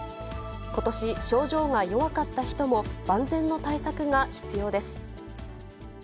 ことし症状が弱かった人も、万全の対策が必要です。